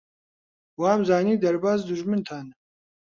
وامزانی دەرباز دوژمنتانە.